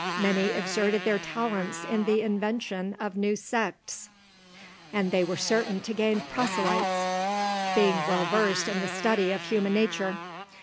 Many exerted their talents in the invention of new sects, and they were certain to gain proselytes, being well versed in the study of human nature.